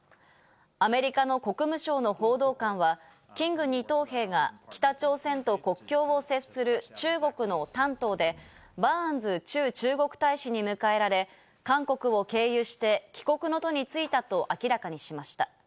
アメリカの国務省の報道官は、キング２等兵が北朝鮮と国境を接する中国の丹東で、バーンズ駐中国大使に迎えられ、韓国を経由して帰国の途についたと明らかにしました。